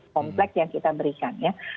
kompleks yang kita berikan